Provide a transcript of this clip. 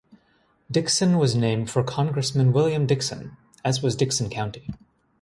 Dickson was named for Congressman William Dickson, as was Dickson County.